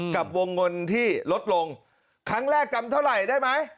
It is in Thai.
กับวงเงินที่ลดลงครั้งแรกจำเท่าไหร่ได้ไหม